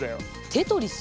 テトリス？